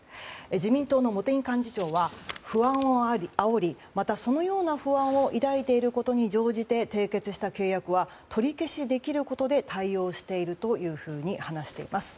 自民党の茂木幹事長は不安をあおりまたそのような不安を抱いていることに乗じて締結した契約は取り消しできることで対応していると話しています。